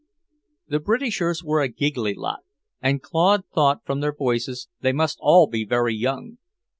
The Britishers were a giggly lot, and Claude thought, from their voices, they must all be very young.